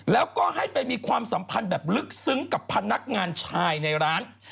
แล้วก็ให้ไปมีความสัมพันธ์แบบลึกซึ้งกับพนักงานชายในร้าน